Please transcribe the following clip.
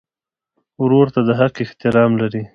ورور ته د حق احترام لرې.